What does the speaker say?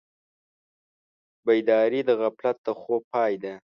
بیداري د غفلت د خوب پای ده.